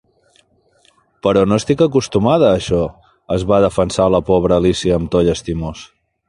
"Però no estic acostumada a això!" -es va defensar la pobra Alícia amb to llastimós.